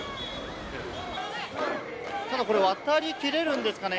これ、渡りきれるんですかね？